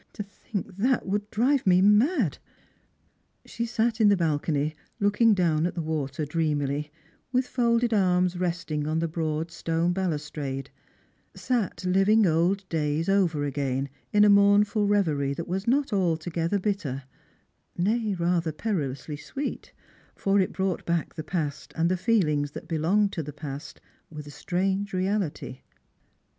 To think that would drive me mad." She sat in the balcony, looking down at the water dreamily, with folded arms resting on the broad stone balustrade, sat living old days over again in a mournful reverie that was not altogether bitter — nay rather perilously sweet, for it brought back the past and the feelings that belonged to the past with a strange reality.